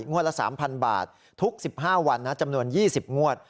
ละ๓๐๐บาททุก๑๕วันจำนวน๒๐งวด